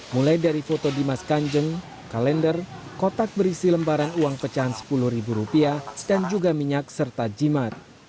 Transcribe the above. mulai dari foto dimas kanjeng kalender kotak berisi lembaran uang pecahan sepuluh ribu rupiah dan juga minyak serta jimat